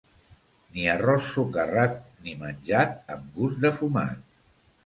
Ni arròs socarrat ni menjat amb gust de fumat.